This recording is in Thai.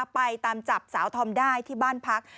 ไปตามจับสาวธอมได้ที่บ้านพัก